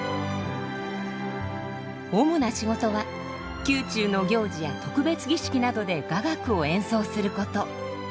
主な仕事は宮中の行事や特別儀式などで雅楽を演奏すること。